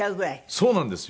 そうなんですよ。